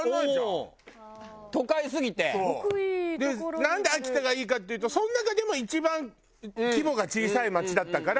でなんで秋田がいいかっていうとその中でも一番規模が小さい街だったから。